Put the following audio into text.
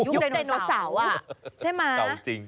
ยุคไดโนสาวอ่ะใช่มั้ยเก่าจริง